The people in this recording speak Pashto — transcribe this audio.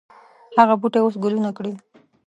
هغه بوټی اوس ګلونه کړي